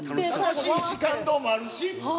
楽しいし、感動もあるしって。